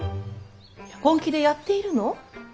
本気でやっているの？